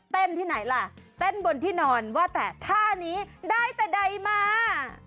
ที่ไหนล่ะเต้นบนที่นอนว่าแต่ท่านี้ได้แต่ใดมา